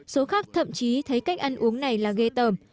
số khác thậm chí thấy cách ăn uống này là ghê tờm